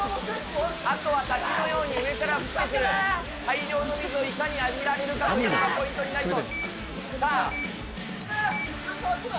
あとは滝のように上から降ってくる大量の水をいかに浴びられるかがポイントになると。